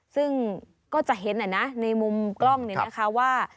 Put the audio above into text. ซึ่งก็จะเห็นแหละนะในมุมกล้องนี่นะคะว่า